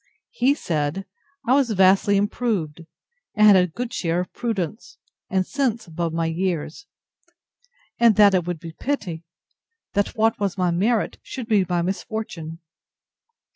He said, I was vastly improved, and had a good share of prudence, and sense above my years; and that it would be pity, that what was my merit should be my misfortune.